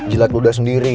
jelat lo udah sendiri